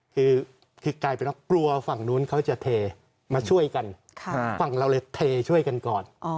คือกลายเป็นว่ากลัวฝั่งนู้นเขาจะเทมาช่วยกันฝั่งเราเลยเทช่วยกันก่อน